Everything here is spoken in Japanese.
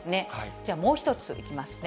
じゃあ、もう一ついきますね。